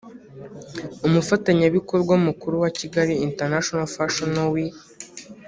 umufatanyabikorwa mukuru wa Kigali International Fashion Week